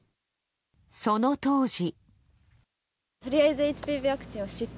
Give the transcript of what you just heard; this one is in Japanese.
その当時。